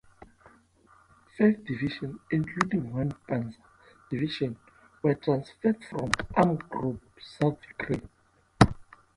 Five divisions, including one Panzer division, were transferred from Army Group South Ukraine.